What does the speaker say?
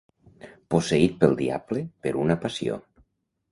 Posseït pel diable, per una passió.